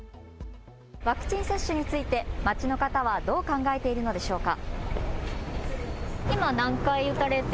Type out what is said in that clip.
ワクチン接種について街の方はどう考えているのでしょうか。